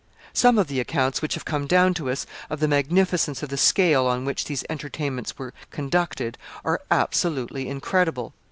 Some of the accounts which have come down to us of the magnificence of the scale on which these entertainments were conducted are absolutely incredible.